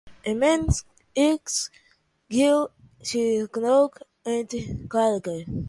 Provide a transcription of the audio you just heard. In Manx Gaelic she is known as the "Caillagh".